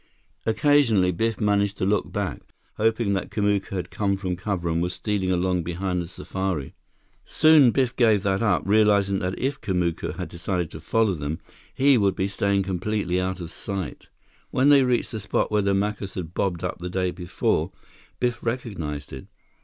Occasionally, Biff managed to look back, hoping that Kamuka had come from cover and was stealing along behind the safari. Soon Biff gave that up, realizing that if Kamuka had decided to follow them, he would be staying completely out of sight. When they reached the spot where the Macus had bobbed up the day before, Biff recognized it.